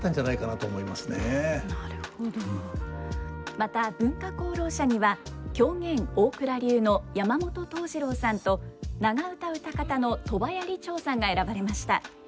また文化功労者には狂言大蔵流の山本東次郎さんと長唄唄方の鳥羽屋里長さんが選ばれました。